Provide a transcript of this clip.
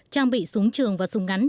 trang bị súng trường và súng ngắn